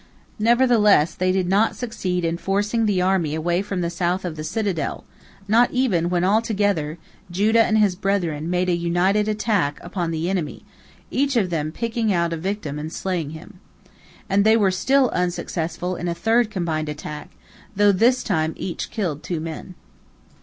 Nevertheless they did not succeed in forcing the army away from the south of the citadel, not even when all together, Judah and his brethren, made an united attack upon the enemy, each of them picking out a victim and slaying him. And they were still unsuccessful in a third combined attack, though this time each killed two men.